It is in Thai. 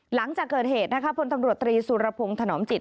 หลังจากเกิดเหตุนะคะพลตำรวจตรีสุรพงศ์ถนอมจิต